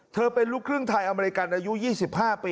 เป็นลูกครึ่งไทยอเมริกันอายุ๒๕ปี